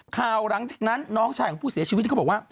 หลังจากนั้นน้องชายของผู้เสียชีวิตที่เขาบอกว่า